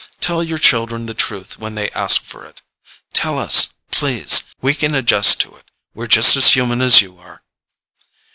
Tell your children the truth when they ask for it. Tell us, please. We can adjust to it. We're just as human as you are."